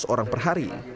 lima ratus orang per hari